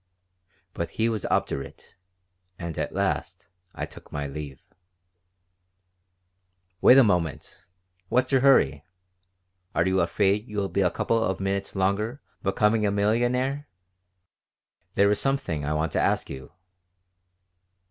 But he was obdurate, and at last I took my leave "Wait a moment! What's your hurry? Are you afraid you'll be a couple of minutes longer becoming a millionaire? There is something I want to ask you."